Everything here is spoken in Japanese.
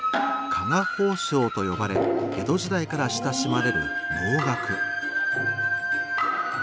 「加賀宝生」と呼ばれ江戸時代から親しまれる能楽。